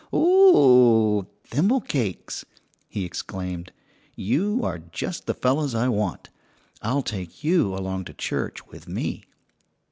"O oo, thimble cakes!" he exclaimed. "You are just the fellows I want! I'll take you along to church with me."